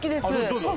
どうぞ。